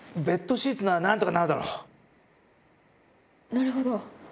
なるほど。